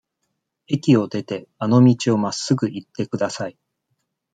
駅を出て、あの道をまっすぐ行ってください。